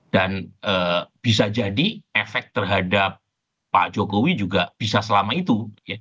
dan bisa jadi efek terhadap pak jokowi juga bisa selama itu